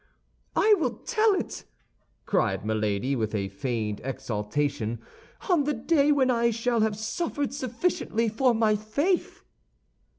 "I will tell it," cried Milady, with a feigned exultation, "on the day when I shall have suffered sufficiently for my faith."